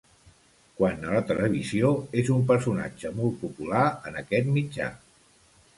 Quant a la televisió, és un personatge molt popular en aquest mitjà.